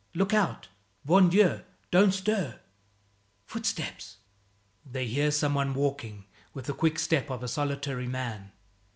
"Look out, bon Dieu! Don't stir! footsteps " They hear some one walking, with the quick step of a solitary man.